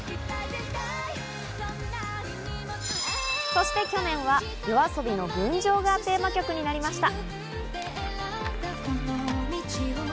そして去年はＹＯＡＳＯＢＩの『群青』がテーマ曲になりました。